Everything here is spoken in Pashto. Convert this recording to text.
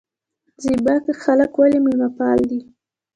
زیباک خلک ولې میلمه پال دي؟